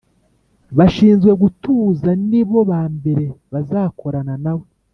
bashinzwe gutuza nibo ba mbere bazakorana nawe